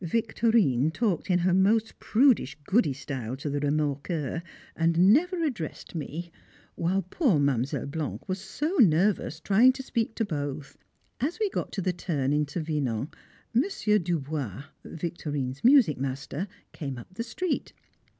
Victorine talked in her most prudish goody style to "the Remorqueur," and never addressed me; while poor Mademoiselle Blanc was so nervous trying to speak to both. As we got to the turn into Vinant, Monsieur Dubois Victorine's music master came up the street.